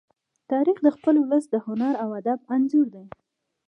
تاریخ د خپل ولس د هنر او ادب انځور دی.